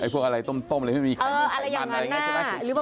ไอ้พวกอะไรต้มเลยไม่มีไขมันไขมันอะไรอย่างนั้น